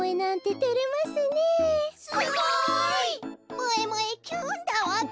もえもえキュンだわべ。